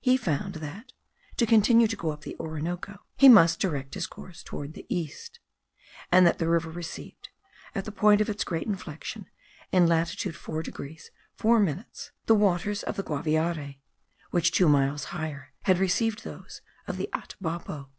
He found that, to continue to go up the Orinoco, he must direct his course towards the east; and that the river received, at the point of its great inflection, in latitude 4 degrees 4 minutes, the waters of the Guaviare, which two miles higher had received those of the Atabapo.